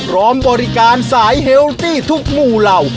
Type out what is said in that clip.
ร้อมบริการสายเฮลที่ทุกหมู่เรา